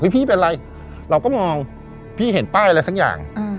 พี่เป็นไรเราก็มองพี่เห็นป้ายอะไรสักอย่าง